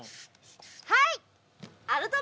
はい。